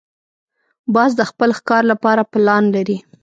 باز د خپل ښکار لپاره پلان لري